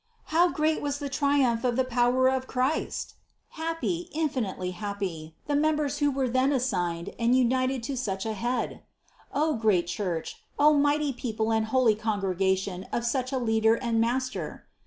How great was the triumph of the power of Christ! Happy, infinitely hap py, the members who then were assigned and united to such a Head ! Oh great Church ! Oh mighty people and holy congregation of such a Leader and Master!